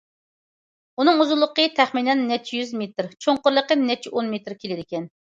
ئۇنىڭ ئۇزۇنلۇقى تەخمىنەن نەچچە يۈز مېتىر، چوڭقۇرلۇقى نەچچە ئون مېتىر كېلىدىكەن.